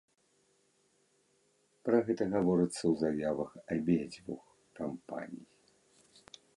Пра гэта гаворыцца ў заявах абедзвюх кампаній.